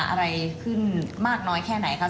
อะไรขึ้นมากน้อยแค่ไหนครับ